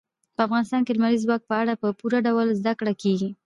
په افغانستان کې د لمریز ځواک په اړه په پوره ډول زده کړه کېږي.